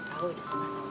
aku udah sama sama